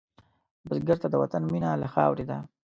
بزګر ته د وطن مینه له خاورې ده